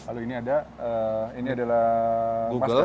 lalu ini ada ini adalah masker